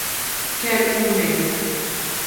Quero uma média